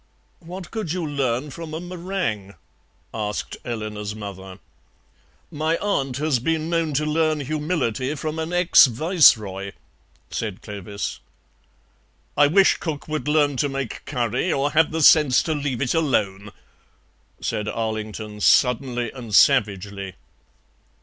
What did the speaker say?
"What could you learn from a meringue?" asked Eleanor's mother. "My aunt has been known to learn humility from an ex Viceroy," said Clovis. "I wish cook would learn to make curry, or have the sense to leave it alone," said Arlington, suddenly and savagely.